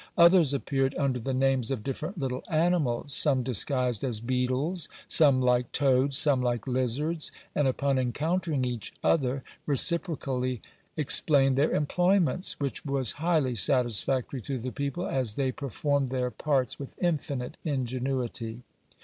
Others appeared under the names of different little animals; some disguised as beetles, some like toads, some like lizards, and upon encountering each, other, reciprocally explained their employments, which was highly satisfactory to the people, as they performed their parts with infinite ingenuity.